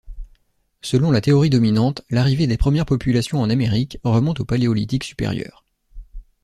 Selon la théorie dominante, l'arrivée des premières populations en Amérique remonte au Paléolithique supérieur.